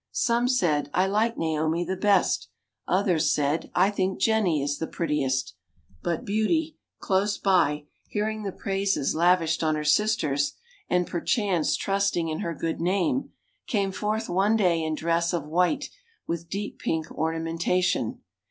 Some said, "I like Naomi the best;" others said, "I think Jennie is the prettiest." But Beauty, close by, hearing the praises lavished on her sisters, and perchance trusting in her good name, came forth one day in dress of white with deep pink ornamentation.